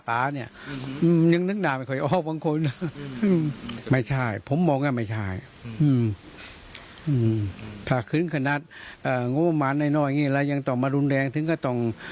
ถ้าคืนขณะงบมันได้หน่อยแล้วยังต้องมาดุลแรง